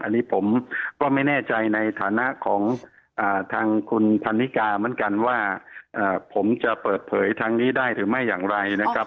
อันนี้ผมก็ไม่แน่ใจในฐานะของทางคุณพันนิกาเหมือนกันว่าผมจะเปิดเผยทางนี้ได้หรือไม่อย่างไรนะครับ